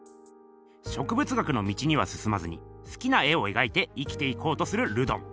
植物学の道にはすすまずに好きな絵を描いて生きていこうとするルドン。